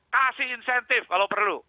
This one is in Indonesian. kasih insentif kalau perlu